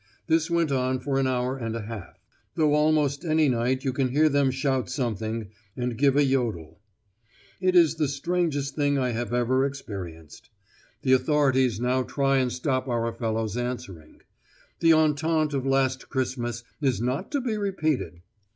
This went on for an hour and a half; though almost any night you can hear them shout something, and give a yodel It is the strangest thing I have ever experienced. The authorities now try and stop our fellows answering. The entente of last Christmas is not to be repeated!